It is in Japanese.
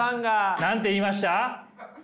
何て言いました？